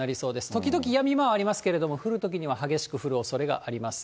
時々やみ間はありますけれども、降るときには激しく降るおそれがあります。